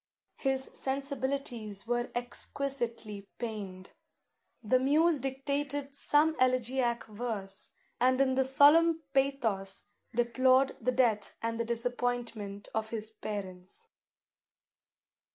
His sensibilities were exquisitely pained. The muse dictated some elegiac verse, and in the solemn pathos deplored the death and the disappointment of his parents.